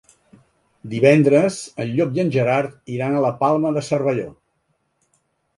Divendres en Llop i en Gerard iran a la Palma de Cervelló.